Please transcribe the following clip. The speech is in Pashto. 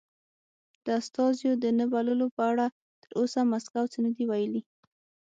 د استازیو د نه بللو په اړه تر اوسه مسکو څه نه دې ویلي.